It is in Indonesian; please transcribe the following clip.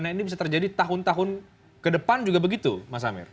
nah ini bisa terjadi tahun tahun ke depan juga begitu mas amir